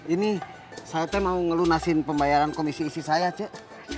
ini saya mau ngelunasin pembayaran komisi isi saya cek